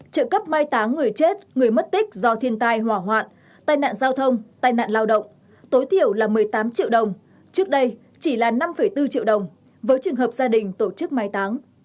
trợ cấp mai táng người chết người mất tích do thiên tai hỏa hoạn tai nạn giao thông tai nạn lao động tối thiểu là một mươi tám triệu đồng trước đây chỉ là năm bốn triệu đồng với trường hợp gia đình tổ chức mai táng